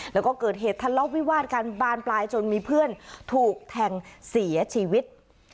แล้วก็เกิดเหตุทะเลาะวิวาดกันบานปลายจนมีเพื่อนถูกแทงเสียชีวิต